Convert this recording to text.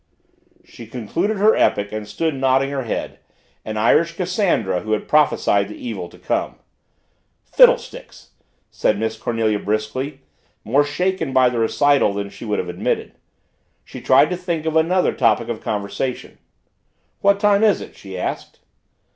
She concluded her epic and stood nodding her head, an Irish Cassandra who had prophesied the evil to come. "Fiddlesticks!" said Miss Cornelia briskly, more shaken by the recital than she would have admitted. She tried to think of another topic of conversation. "What time is it?" she asked.